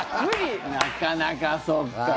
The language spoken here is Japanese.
なかなか、そうかあ。